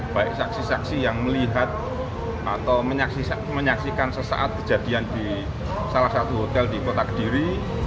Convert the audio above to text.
baik saksi saksi yang melihat atau menyaksikan sesaat kejadian di salah satu hotel di kota kediri